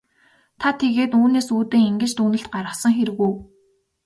Та тэгээд үүнээс үүдэн ингэж дүгнэлт гаргасан хэрэг үү?